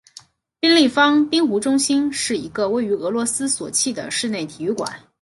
冰立方冰壶中心是一个位于俄罗斯索契的室内体育馆。